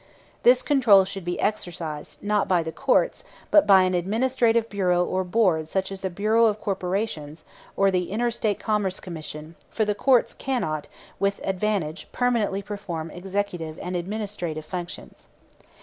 This control should be exercised, not by the courts, but by an administrative bureau or board such as the Bureau of Corporations or the Inter State Commerce Commission; for the courts cannot with advantage permanently perform executive and administrative functions.